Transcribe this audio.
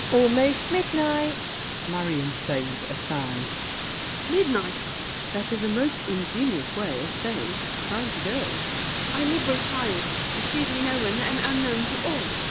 Almost midnight! MARION (aside). Midnight! SAVERNY. That is a most ingenious way Of saying, "Time to go." MARION. I live retired, Receiving no one, and unknown to all.